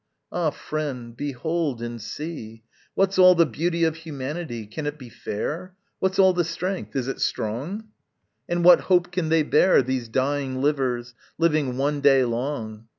Ah friend, behold and see! What's all the beauty of humanity? Can it be fair? What's all the strength? is it strong? And what hope can they bear, These dying livers living one day long?